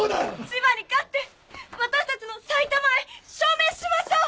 千葉に勝って私たちの埼玉愛証明しましょう！